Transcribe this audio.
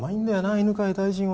犬飼大臣は。